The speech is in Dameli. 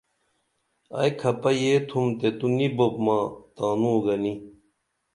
ائی کھپہ یہ تُھم تو نی بُپ ماں تانوں گنی